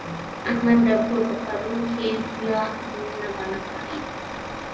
احمد د کور په کارونو کې پوله نه بانه کوي.